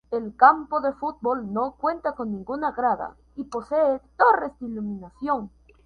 El campo de fútbol no cuenta con ninguna grada y posee torres de iluminación.